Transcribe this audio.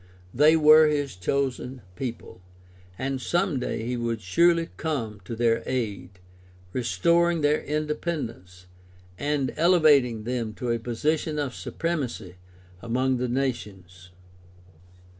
They were his chosen^eople and some day he would surely come to their aid, restoring their inde pendence and elevating them to a position of supremacy among the nations.